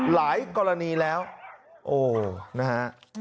หลายกรณีแล้วโอ้นะฮะ